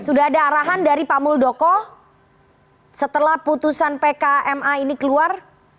sudah ada arahan dari pak muldoko setelah putusan pkma ini keluar